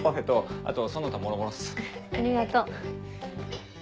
ありがとう。